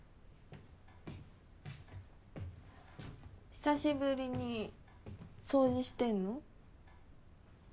久しぶりに掃除してんの？